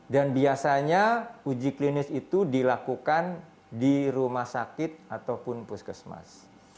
dan biasanya uji klinis itu dilakukan di rumah sakit ataupun puskesmas